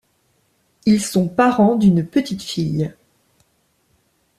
Ils sont parents d'une petite fille.